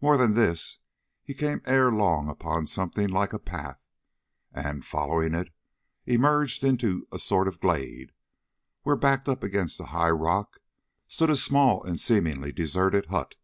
More than this, he came ere long upon something like a path, and, following it, emerged into a sort of glade, where, backed up against a high rock, stood a small and seemingly deserted hut.